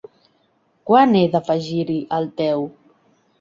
Quan he d'afegir-hi el teu?